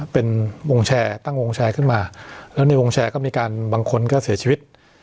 เป็นวงแชร์ตั้งวงแชร์ขึ้นมาแล้วในวงแชร์ก็มีการบางคนก็เสียชีวิต